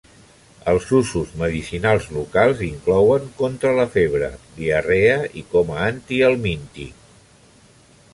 Els usos medicinals locals inclouen contra la febre, diarrea i com a antihelmíntic.